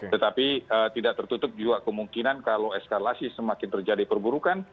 tetapi tidak tertutup juga kemungkinan kalau eskalasi semakin terjadi perburukan